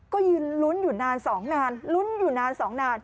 ก็รุ้นอยู่นานสองนาน